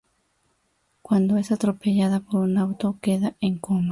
Cuando es atropellada por un auto, queda en coma.